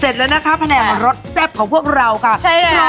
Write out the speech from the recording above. เสร็จแล้วนะคะคะแนนรสแซ่บของพวกเราค่ะใช่แล้ว